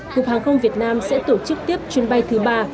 cục hàng không việt nam sẽ tổ chức tiếp chuyến bay thứ ba